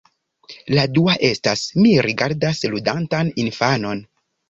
La dua estas: Mi rigardas ludantan infanon.